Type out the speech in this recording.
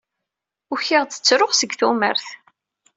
Ukiɣ-d ttruɣ seg tumert.